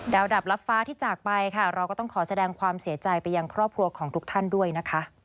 ดับลับฟ้าที่จากไปค่ะเราก็ต้องขอแสดงความเสียใจไปยังครอบครัวของทุกท่านด้วยนะคะ